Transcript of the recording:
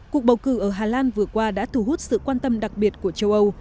cuộc bầu cử ở hà lan vừa qua đã thu hút sự quan tâm đặc biệt của châu âu